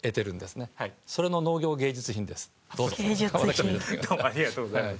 匹Δありがとうございます。